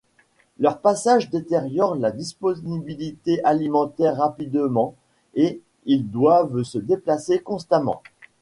Leurs passages détériorent la disponibilité alimentaire rapidement et ils doivent se déplacer constamment.